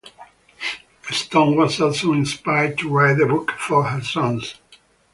Stone was also inspired to write the book for her sons.